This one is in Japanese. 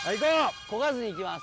こがずに行きます。